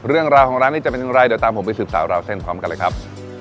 เรื่องราวของร้านนี้จะเป็นอย่างไรเดี๋ยวตามผมไปสืบสาวราวเส้นพร้อมกันเลยครับ